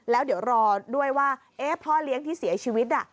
แล้วเดี๋ยวรอด้วยว่าพ่อเลี้ยงที่เสียชีวิต